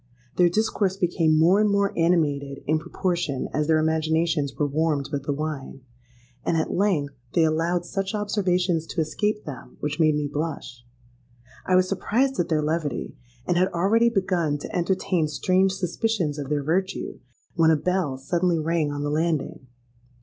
Their discourse became more and more animated in proportion as their imaginations were warmed with the wine; and at length they allowed such observations to escape them which made me blush. I was surprised at their levity, and had already begun to entertain strange suspicions of their virtue, when a bell suddenly rang on the landing.